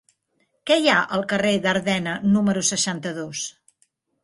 Què hi ha al carrer d'Ardena número seixanta-dos?